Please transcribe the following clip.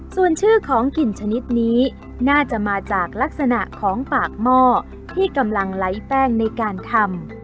ส่วนชื่อของกลิ่นชนิดนี้น่าจะมาจากลักษณะของปากหม้อที่กำลังไร้แป้งในการทำ